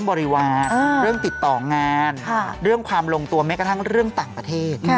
ฟรานสาวถึงตรงตัวไหมก็จริงต่างประเทศ